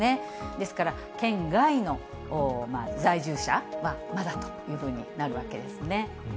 ですから県外の在住者はまだというふうになるわけですね。